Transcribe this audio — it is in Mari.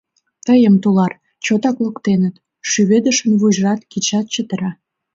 — Тыйым, тулар, чотак локтеныт... — шӱведышын вуйжат, кидшат чытыра.